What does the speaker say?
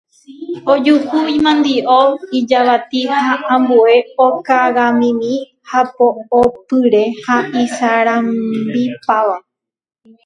Ojuhu imandi'o, ijavati ha ambue ikogamimi hapo'opyre ha isarambipáva.